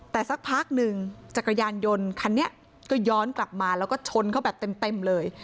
แต่สักพักหนึ่งจักรยานยนต์คันนี้ก็ย้อนกลับมาแล้วก็ชนเขาแบบเต็มเลย